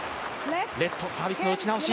レット、サービスの打ち直し。